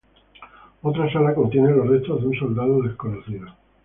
Otra sala contiene los restos de un soldado desconocido.